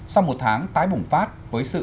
sau một tháng tái bùng phát với sự